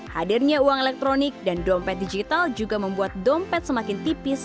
hadirnya uang elektronik dan dompet digital juga membuat dompet semakin tipis